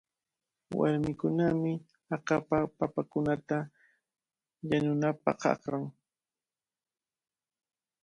Warmikunami akapa papakunata yanunapaq akran.